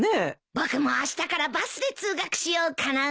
僕もあしたからバスで通学しようかな。